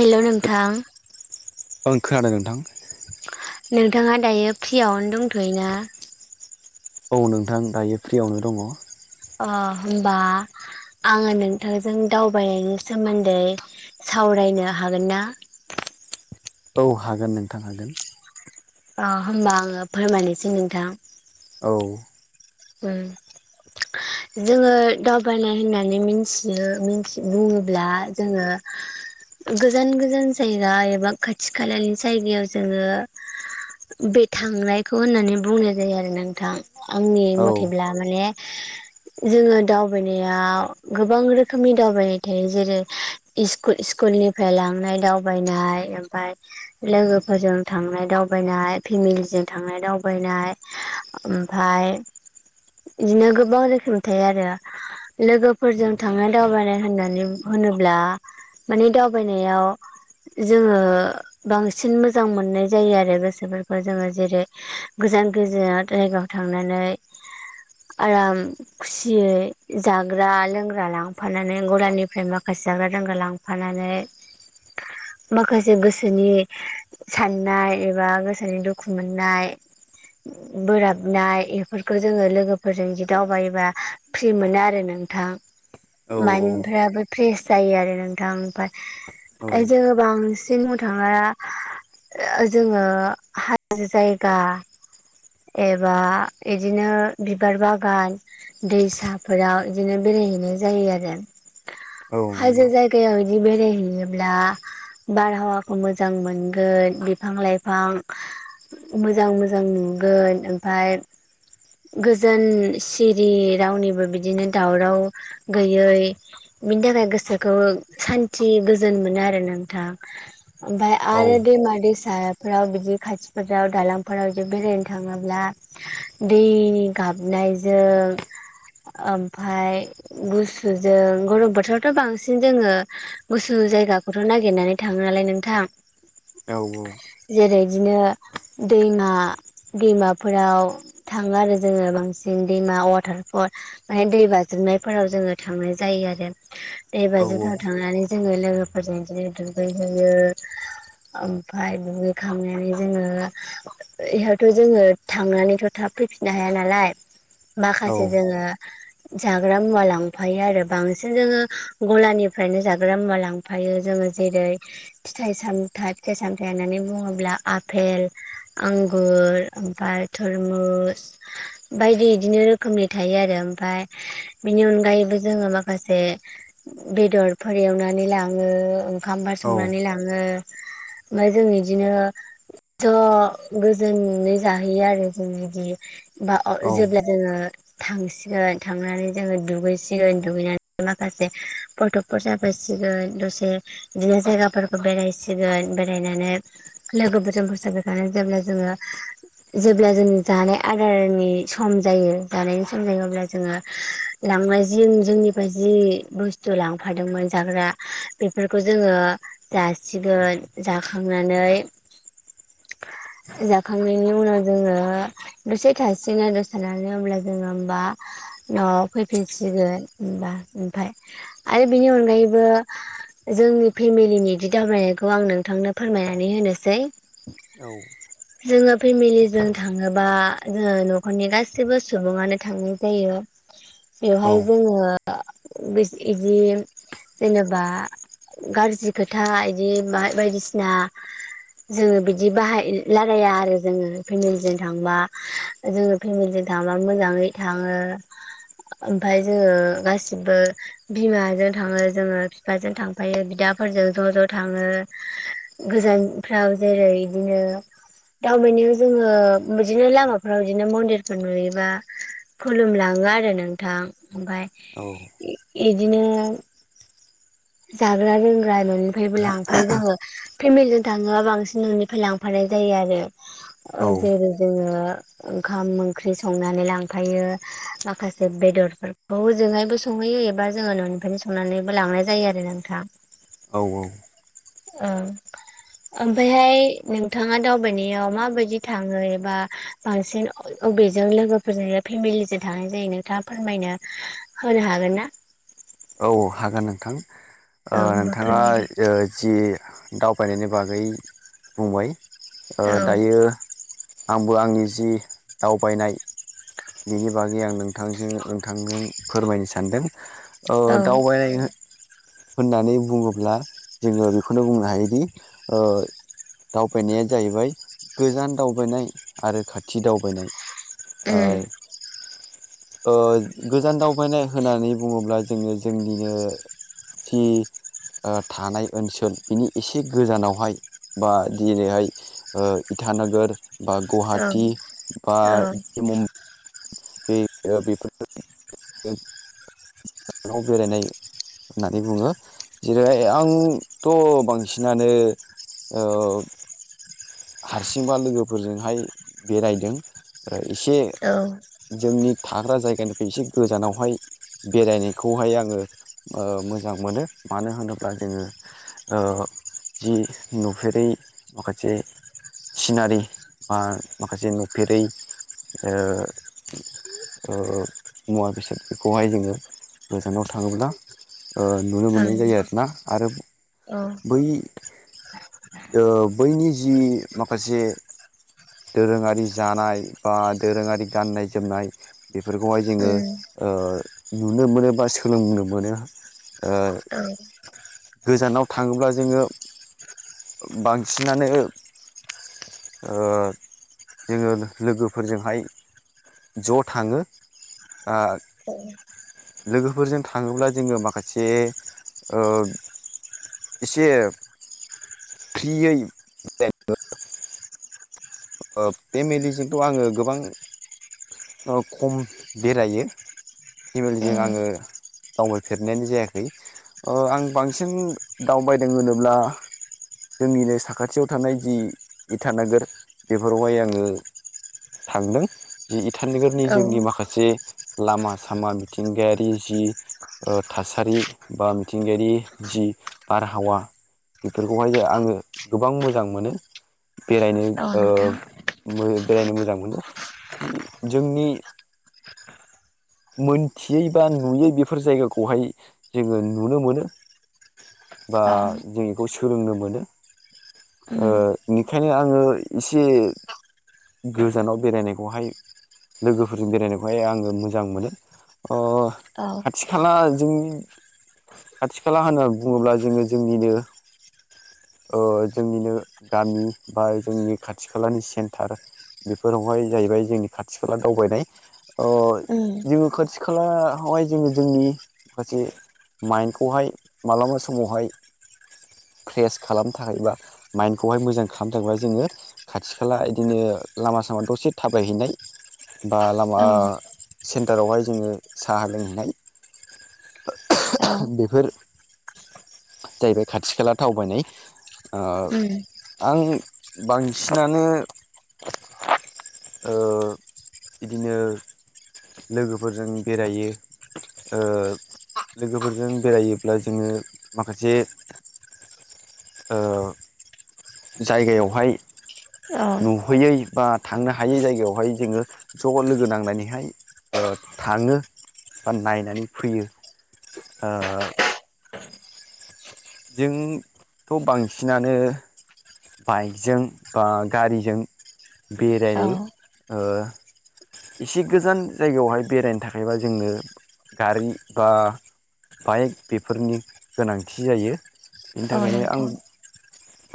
हेल' नोंथां ओं खोनादों नोंथां नोंथाङा दायो फ्रियावनो दंथ'य ना? औ नोंथां दायो फ्रियावनो दङ। अ अब्ला आङो नोंथांजों दावबायनायनि सोमोन्दै सावरायनो हागोन ना? औ हागोन नोंथां हागोन। अ होमबा आङो फोरमायनोसै नोंथां। औ उम जोङो दावबायानाय होननानै मिथियो बुङोब्ला जोङो गोजान गोजान जायगा एबा खाथि खालानि जायगायाव जोङो बे थांनायखौ होननानै बुंनाय जायो आरो नोंथां आंनि औ मथेब्ला माने जोङो दावबायनाया गोबां रोखोमनि दावबायनाय थायो जेरै इसकु स्कुल निफ्राय लांनाय दावबायनाय ओमफ्राय लोगोफोरजों थांनाय दाव दावबायनाय फेमिलिजों थांनाय दावबायनाय ओमफ्राय बिदिनो गोबां रोखोम थायो आरो लोगोफोरजों थांनाय दावबायनाय होननानै होनोब्ला माने दावबायनायाव जोङो बांसिन मोजां मोननाय जायो आरो गोसोफोरखौ जोङो जेरै गोजान गोजेर जायगायाव थांनानै। आराम खुसियै जाग्रा लोंग्रा लांफानानै गलानिफ्राय माखासे जाग्रा लोंग्रा लांफानानै माखासे गोसोनि साननाय एबा गोसोनि दुखु मोननाय बोराबनाय बेफोरखौ जोङो लोगोफोरजों जुदि दावबायोबा फ्रि मोनो आरो नोंथां। औ माइन्दफ्राबो फ्रेस जायो आरो नोंथां ओमफ्राय औ ओमफ्राय जोङो बांसिन थाङा जोङो हाजो जायगा एबा बिदिनो बिबार बागान दैसाफोराव बिदिनो बेरायहैनाय जायो आरो औ हाजो नंगौ जायगायाव बेरायहैनोयोब्ला बारहावाखौ मोजां मोनगोन बिफां लाइफां मोजां मोजां नुगोन ओमफ्राय गोजोन सिरि रावनिबो बिदिनो दावराव गैयै मि नि थाखाय गोसोखौ सान्थि गोजोन मोनो आरो नोंथां। ओमफ्राय आरो औ आरो दैमा दैसा सा फोराव बिदि खाथिफोराव दालांफोराव जुदि बेरायनो थाङोब्ला दै गाबनायजों ओमफाय गुसुजों गरम बोथोरावथ' बांसिन जोङो गुसु जायगाखौथ' नागिरनानै थाङो नालाय नोंथां। औ औ जेरै बिदिनो दैमा दैमा फोराव थाङो आरो जोङो बांसिन दैमा वाटार फल ओमफ्राय दै बाज्रुमनायफोराव जों थांनाय जायो आरो औ बेबायदिफोराव थांनानै जोङो लोगोफोरजों बिदिनो दुगैहैयो। ओमफ्राय दुगैखांनानै जोङो इहायथ' जोङो थांनानैथ' थाब फैफिननो हाया नालाय माखासे जोङो जाग्रा मुवा लांफायो आरो बांसिन जोङो गलानिफ्रायनो जाग्रा मुवा लांफायो जों जेरै फिथाइ सामथा फिथाइ सामथाइ होननानै बुङोब्ला आपेल आंगुर [unintelligible] थरमुस बायदि बिदिनो रोखोमनि थायो आरो ओमफ्राय बेनि उन अनगायैबो जोङो माखासे बेदरफोर एवनानै लाङो। ओंखामबो संनानै लाङो। ओमफ्राय जों बिदिनो ज' गोजोन जाहैयो आरो जों बिदि बा जेब्ला जोङो थांसिगोन थांनानै जोङो दुगैसिगोन दुगैनानै माखासे फथ'फोर साफायसि गोन दसे बिदिनो जायगाफोरखौ बेरायसिगोन बेरायनानै लोगोफोरजों दसे [unintelligible] जेब्ला जोङो जेब्ला जों जानाय आदारनि सम जायो जानायनि सम जायो अब्ला जोङो लांनाय जि जोंनिफ्राय जि बुस्थु लांफादोंमोन जाग्रा बेफोरखौ जोङो जासिगोन जाखांनानै जाखांनाय नि उनाव जोङो दसे थासिनो आरो थानानै अब्ला जोङो होमब्ला नवाव फैफिनसिगोन होमबा ओमफ्राय आरो बिनि अनगायैबो जोंनि [unintelligible] दावबायरायनायखौ आं नोंथांनो फोरमायनानै होनोसै। औ जोङो फेमिलिजों थाङोबा जोङो न'खरनि गासैबो सुबुङानो थांनाय जायो। बेवहाय जोङो बिदि जेनेबा गाज्रि खोथा इदि बायदिसिना जोङो बिदि बाहाय लागाया आरो जोङो फेमिलिजों थांबा जोङो फेमिलिजों थांबा मोजाङै थाङो ओमफाय जोङो गासिबो बिमाजों थाङो जोङो बिफाजों थांफायो बिदि बिदाफोरजों ज' ज' थाङो गोजानफ्राव जेरै बिदिनो दावबायनायाव जोङो बिदिनो लामाफ्राव बिदिनो मन्दिरफोर नुयोबा खुलुमलाङो। आरो नोंथां। ओमफाय बिदिनो जाग्रा लोंग्रा [unintelligible] न'निफ्रायबो लांफायो जोङो फेमिलिजों थाङोबा बांसिन न'निफ्राय लांफानाय जायो आरो [unintelligible] औ ओंखाम ओंख्रि संनानै लांफायो माखासे बेदरफोरखौ ओजोंहायबो सं हैयो एबा जोङो न'निफ्रायनो संनानैबो लांनाय जायो आरो नोंथाङा औ औ ओं ओमफायहाय नोंथाङा दावबायनायाव माबायदि थाङो एबा बांसिन अबेजों लोगोफोरजों फेमिलिजों थांनाय जायो नोंथाङा फोरमायनो होनो हागोन ना? औ हागोन नोंथां औ होमबा नोंथाङा फोरमायदो जि दाव बायनायनि बागै बुंबाय औ दायो आं बो आंनि जि दावबायनाय बिनि बागै आं नोंथांजों नोंथांनो फोरमायनो सानदों औ दावबायनाय होननानै बुङोब्ला जोङो बेखौनो बुंनो हायोदि दावबायनाया जाहैबाय गोजान दावबायनाय आरो खाथि दावबायनाय उम आरो गोजान दावबायनाय होननानै बुङोब्ला जोङो जोंनिनो जि थानाय ओनसोल बिनि एसे गोजानावहाय बा जेरैहाय इटानगोर बा औ गुवाहाटि बा मुम्बाइ [unintelligible] बेफोर [unintelligible] बेरायनाय होननानै बुङो जेरैहाय आंथ' बांसिनानो ओ हारसिंबा लोगोफोरजोंहाय बेरायदों। एसे ओं औ जोंनि थाग्रा जायगानिफ्राय एसे गोजानावहाय बेरायनायखौहाय आङो मोजां मोनो मानो होनोब्ला जोङो ओ जि नुफेरै माखासे सिनारि बा माखासे नुफेरै ओ ओ मुवा बेसाद बेखौहाय जोङो गोजानाव थाङोब्ला ओ नुनो मोननाय उम जायो आरो ना आरो बै ओ बैनि जि माखासे दोरोङारि जानाय बा दोरोङारि गाननाय जोमनाय बेफोरखौहाय जोङो ओ नुनो मोनो बा सोलोंनो मोनो। ओ औ गोजानाव थाङोब्ला जोङो बांसिनानो ओ जोङो लोगोफोरजोंहाय ज' थाङो ओ लोगोफोरजों थाङोब्ला जोङो माखासे ओ एसे फ्रियै [unintelligible] ओ फेमिलिजोंथ' आङो गोबां खम बेरायो फेमिलिजों आङो दावबायफेरनायानो जायाखै ओ आं बांसिन दावबायदों होनोब्ला जोंनिनो साखाथियाव थानाय जि इटानोगोर बेफोरावहाय आङो थांदों जे इटान नोगोरनि जोंनि उम माखासे लामा सामा मिथिंगायारि जि थासारि बा मिथिंगायारि जि बारहावा बेफोरखौहाय आङो गोबां मोजां मोनो बेरायनो औ नोंथां ओ बेरायनो मोजां मोनो जोंनि मोनथियै बा नुयै बेफोर जायगाखौहाय जोङो नुनो मोनो। बा औ जों बेखौ सोलोंनो मोनो। ओ उम बेनिखायनो आङो एसे गोजानाव बेरायनायखौहाय लोगोफोरजों बेरायनायखौहाय आङो मोजां मोनो ओ औ खाथि खाला जों खाथि खाला होनना बुङोब्ला जोङो जोंनिनो ओ जोंनिनो गामि बा जोंनि खाथि खालानि सेन्टार बेफोरावहाय जाहैबाय जोंनि खाथि खाला दावबायनाय ओ उम जोङो खाथि खालायावहाय जोङो जोंनि माखासे माइ खौहाय मालाबा समावहाय [inaudible] फ्रेस खालामनो थाखायबा माइखौहाय मोजां खालामनो थाखायबा जोङो खाथि खाला इदिनो लामा आसामाव दसे थाबायहैनाय [inaudible] बा लामा औ सेन्टारावहाय जोङो साहा लोंहैनाय औ बेफोर जाहैबाय खाथि खाला दावबायनाय। उम आं बांसिनानो ओ इदिनो लोगोफोरजों बेरायो ओ लोगोफोरजों बेरायोब्ला जोङो माखासे ओ जायगायावहाय औ नुहैयै बा थांनो हायै जायगायावहाय जोङो ज' लोगो नांनानैहाय ओ थाङो बा नायनानै फैयो। ओ जोंथ' बांसिनानो बाइकजों बा गारिजों औ बेरायो ओ एसे गोजान जायगायावहाय बेरायनो थाखायबा जोंनो गारि बा बाइक बेफोरनि गोनांथि जायो बेनि औ थाखायनो आं नोंथां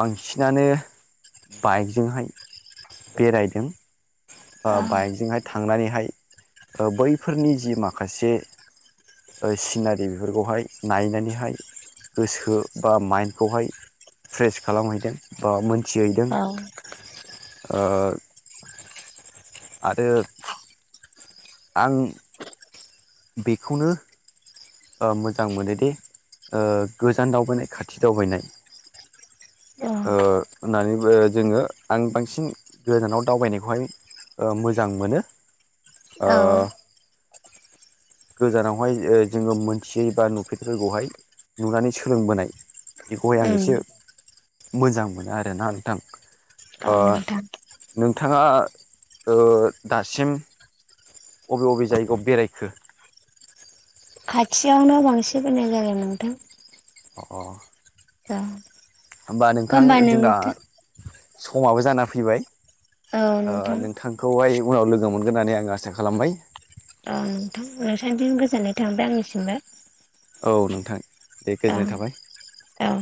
बांसिनानो बाइकजोंहाय बेरायदों। ओ औ बाइकजोंहाय थांनानैहाय बैफोरनि जि माखासे सिनारि बेफोरखौहाय नायनानैहाय गोसो बा माइन्दखौहाय फ्रेस खालामहैदों बा मोनथिहैदों। औ ओ आरो आं बेखौनो ओ मोजां मोनोदिे गोजान दावबायनाय खाथि दावबायनाय। ओ औ होननानैबो जोङो आं बांसिन गोजानाव दावबायनायखौहाय ओ मोजां मोनो ओ औ गोजानावहाय जोङो मोनथियै बा नुफेरैफोरखौहाय नुनानै सोलोंबोनाय बेखौहाय आं उम एसे मोजां मोनो आरोना नोंथां। ओ औ नोंथां नोंथाङा ओ दासिम अबे बबे जायगायाव बेरायखो? खाथियावनो बांसिन बेरायनाय जादों नोंथां। अ अ औ होनबा नोंथां होमबा जोंना नोंथां समाबो जाना फैबाय औ ओ नोंथां नोंथांखौहाय उनाव लोगो मोनगोन होननानै आं आसा खालामबाय। औ नोंथां नोंथांनिसिम गोजोननाय थाबाय आंनिसिमबो औ नोंथां दे औ गोजोननाय थाबाय औ